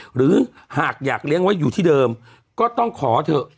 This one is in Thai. หรือหากอยากเลี้ยงไว้อยู่ที่เดิมก็ต้องขอเถอะ